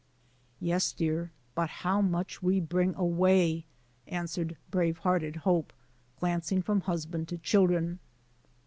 "Yes, dear; but how much we bring away," answered brave hearted Hope, glancing from husband to children.